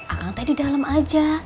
akang tadi dalam aja